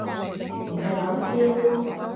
唔係講笑